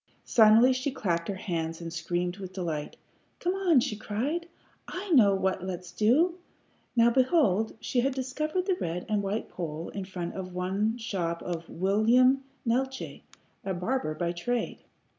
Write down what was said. Suddenly she clapped her hands and screamed with delight. "Come on!" she cried. "I know what let's do." Now behold, she had discovered the red and white pole in front of the shop of one William Neeltje, a barber by trade.